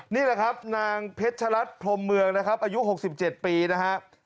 นี่แหละครับนางเพชรรัฐพรมเมืองนะครับอายุหกสิบเจ็ดปีนะฮะ